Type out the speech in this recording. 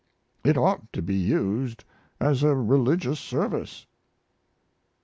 It ought to be used as a religious service.